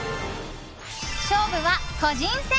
勝負は個人戦！